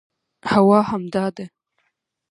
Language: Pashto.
هو همدا ده